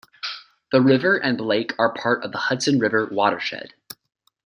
The river and lake are part of the Hudson River watershed.